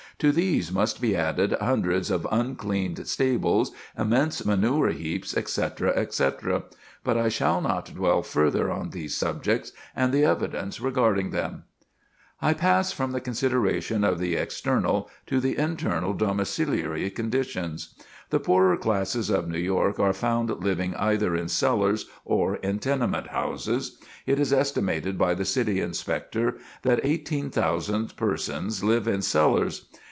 To these must be added hundreds of uncleaned stables, immense manure heaps, etc., etc. But I shall not dwell further on these subjects, and the evidence regarding them. [Sidenote: Cellar Population Dens of Death] I pass from the consideration of the external to the internal domiciliary conditions. The poorer classes of New York are found living either in cellars or in tenement houses. It is estimated by the City Inspector that 18,000 persons live in cellars.